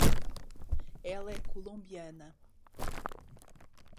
Ela é colombiana